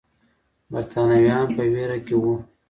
برتانويان په ویره کې وو.